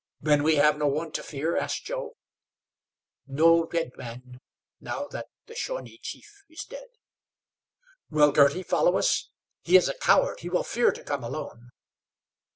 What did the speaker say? "Then we have no one to fear?" asked Joe. "No redman, now that the Shawnee chief is dead." "Will Girty follow us? He is a coward; he will fear to come alone."